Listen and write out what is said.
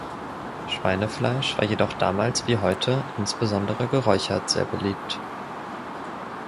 Schweinefleisch war jedoch damals wie heute insbesondere geräuchert sehr beliebt.